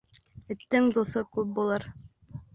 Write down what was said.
Эттең дуҫы күп булыр